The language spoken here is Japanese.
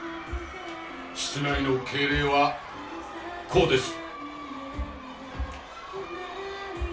室内の敬礼はこうです！